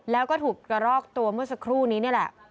แล้วก็ถูกกระรอกตัวเมื่อสักครู่นี้นี่แหละ